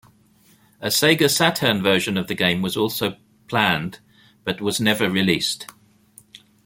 A Sega Saturn version of the game was also planned, but was never released.